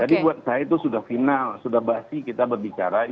jadi buat saya itu sudah final sudah basi kita berbicara